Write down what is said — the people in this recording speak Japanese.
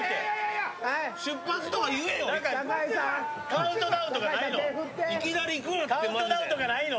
カウントダウンとかないの？